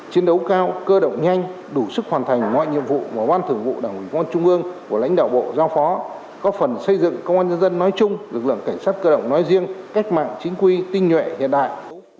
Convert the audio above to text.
chiến đấu cao cơ động nhanh đủ sức hoàn thành mọi nhiệm vụ mà ban thưởng vụ đảng ủy công an trung ương của lãnh đạo bộ giao phó có phần xây dựng công an nhân dân nói chung lực lượng cảnh sát cơ động nói riêng cách mạng chính quy tinh nhuệ hiện đại